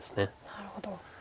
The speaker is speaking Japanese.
なるほど。